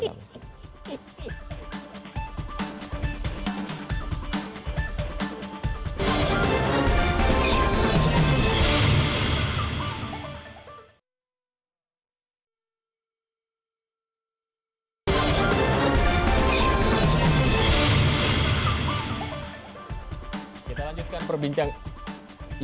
kita lanjutkan perbincangan